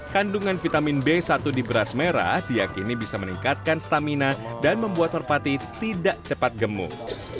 kandungan vitamin b satu di beras merah diakini bisa meningkatkan stamina dan membuat merpati tidak cepat gemuk